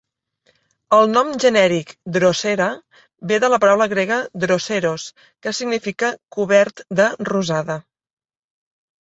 El nom genèric "Drosera" ve de la paraula grega "droseros", que significa "cobert de rosada".